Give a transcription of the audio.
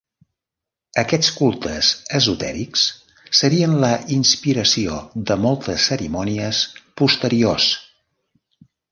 Aquests cultes esotèrics serien la inspiració de moltes cerimònies posteriors.